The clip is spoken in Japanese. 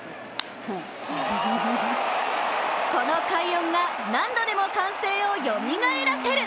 この快音が、何度でも歓声をよみがえらせる！